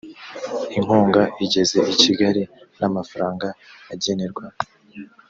inkunga igeze i kigali n amafaranga agenerwa